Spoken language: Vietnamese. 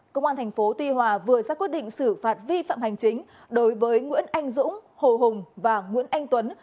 công an tp tuy hòa vừa ra quyết định xử phạt vi phạm hành chính đối với nguyễn anh dũng hồ hùng và nguyễn anh tuấn